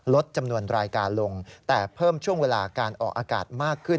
ลดจำนวนรายการลงแต่เพิ่มช่วงเวลาการออกอากาศมากขึ้น